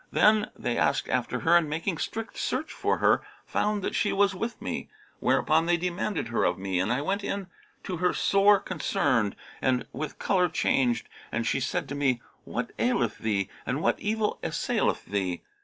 Then they asked after her and making strict search for her, found that she was with me; whereupon they demanded her of me and I went in to her sore concerned and with colour changed; and she said to me, 'What aileth thee and what evil assaileth thee?'